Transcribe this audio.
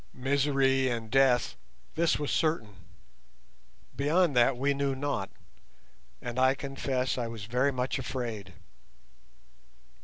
Misery and death, this was certain; beyond that we knew not, and I confess I was very much afraid.